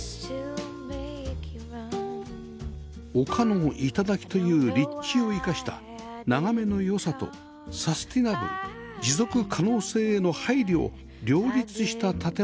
丘の頂という立地を生かした眺めの良さとサステナブル持続可能性への配慮を両立した建物でした